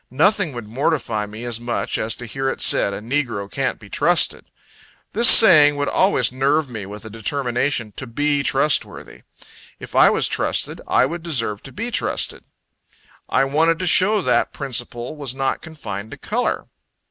Nothing would mortify me as much, as to hear it said, "A negro can't be trusted." This saying would always nerve me with a determination to be trustworthy. If I was trusted, I would deserve to be trusted. I wanted to show that principle was not confined to color.